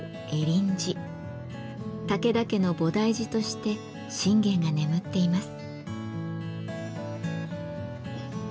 武田家の菩提寺として信玄が眠っています。